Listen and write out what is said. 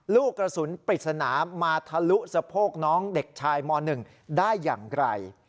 ลูกกระสุนปริศนามาทะลุสะโพกน้องเด็กชายม๑ได้อย่างไร